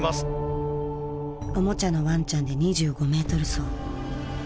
おもちゃのワンちゃんで２５メートル走。